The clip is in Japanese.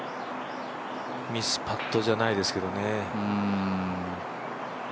ミスパットじゃないですけどね。